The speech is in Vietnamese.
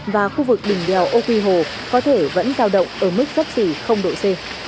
và khu vực đỉnh đèo âu quý hồ có thể vẫn cao động ở mức giáp xỉ độ c